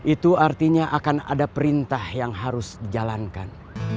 itu artinya akan ada perintah yang harus dijalankan